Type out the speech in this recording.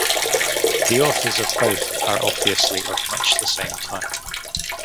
The authors of both are obviously of much the same type.